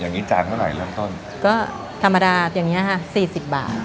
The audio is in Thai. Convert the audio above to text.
อย่างงี้จานเท่านี้เวลาไหนเล่นต้นก็ธรรมดาอย่างเงี้ยฮะสี่สิบบาท